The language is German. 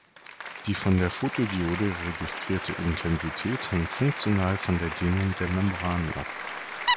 Die von der Fotodiode registrierte Intensität hängt funktional von der Dehnung der Membran ab.